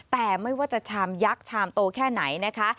แต่ไม่ว่าจะชามยักษ์ชามโตแค่ไหนนะคะ